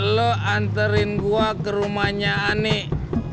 lo anterin gua ke rumahnya anik